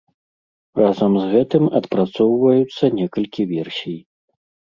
Разам з гэтым адпрацоўваюцца некалькі версій.